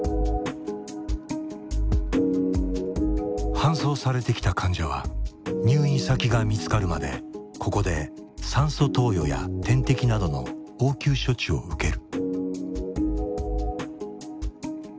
搬送されてきた患者は入院先が見つかるまでここで酸素投与や点滴などの応急処置を受ける。